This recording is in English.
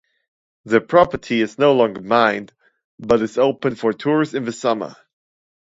The property is no longer mined, but is open for tours in the summer.